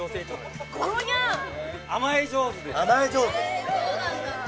・へぇそうなんだ。